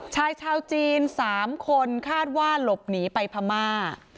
ชายชาวจีน๓คนคาดว่าหลบหนีไปพม่า